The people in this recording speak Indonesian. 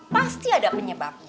pasti ada penyebabnya